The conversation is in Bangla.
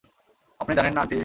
আপনি জানেন না, আন্টি?